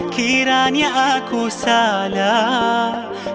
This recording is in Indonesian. kiranya aku salah